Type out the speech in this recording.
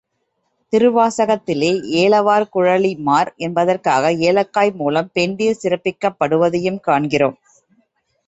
திருவாசகத்திலே, ஏலவார்குழலிமார் என்பதாக ஏலக்காய் மூலம் பெண்டிர் சிறப்பிக்கப்படுவதையும் காண்கிறோம்.